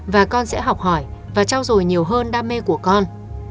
và con sẽ học hỏi và trao dồi nhiều hơn đam mê của con